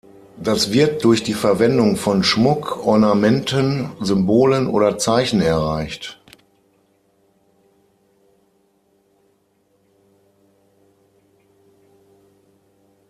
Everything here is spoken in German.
Das wird durch die Verwendung von Schmuck, Ornamenten, Symbolen oder Zeichen erreicht.